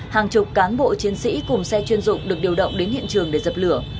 hàng chục cán bộ chiến sĩ cùng xe chuyên dụng được điều động đến hiện trường để dập lửa